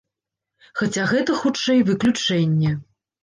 Хаця гэта, хутчэй, выключэнне.